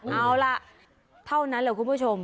เอาล่ะเท่านั้นแหละคุณผู้ชม